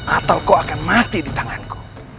atau kau akan mati di tanganku